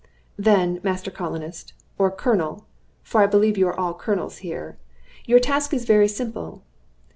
"Then, Master Colonist, or Colonel for I believe you are all colonels here your task is very simple.